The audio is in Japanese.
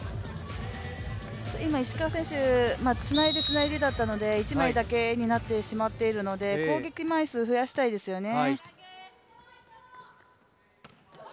今、石川選手、つないでつないでだったので一枚だけになってしまっているので、攻撃枚数を増やしたいですよね。